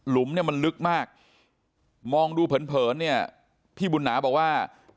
เนี่ยมันลึกมากมองดูเผินเนี่ยพี่บุญหนาบอกว่า